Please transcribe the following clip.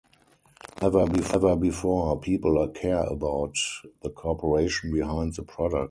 As never before, people care about the corporation behind the product.